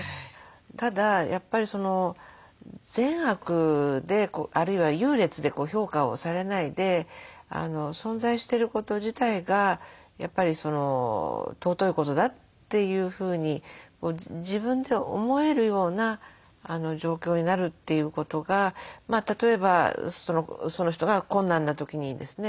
ただやっぱり善悪であるいは優劣で評価をされないで存在してること自体がやっぱり尊いことだというふうに自分で思えるような状況になるということが例えばその人が困難な時にですね